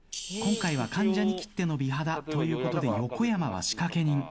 今回は関ジャニきっての美肌ということで横山は仕掛け人。